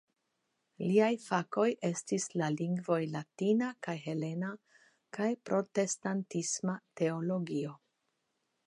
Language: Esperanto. Liaj fakoj estis la lingvoj latina kaj helena kaj protestantisma teologio.